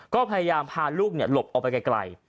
ก็พยายามพาลูกหลบออกไปไกล